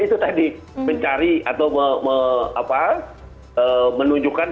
itu tadi mencari atau menunjukkan